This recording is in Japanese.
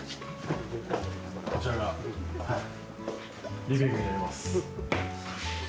こちらが、リビングになります。